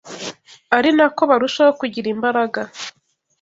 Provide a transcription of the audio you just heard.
ari na ko barushaho kugira imbaraga